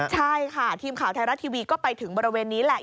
ใช่ค่ะทีมข่าวไทยรัฐทีวีก็ไปถึงบริเวณนี้แหละ